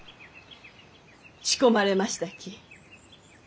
仕込まれましたき。